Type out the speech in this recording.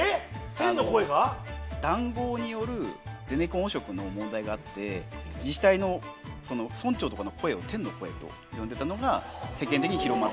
天の声が⁉談合によるゼネコン汚職の問題があって自治体の村長とかの声を「天の声」と呼んでたのが世間的に広まった。